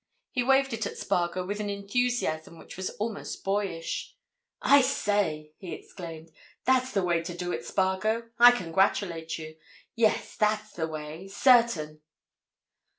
He waved it at Spargo with an enthusiasm which was almost boyish. "I say!" he exclaimed. "That's the way to do it, Spargo! I congratulate you. Yes, that's the way—certain!"